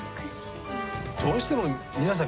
どうしても皆さん